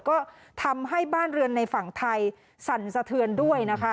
ก็ทำให้บ้านเรือนในฝั่งไทยสั่นสะเทือนด้วยนะคะ